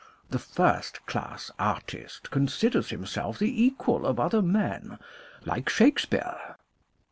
" The first class artist considers himself the equal of other men, like Shakespeare."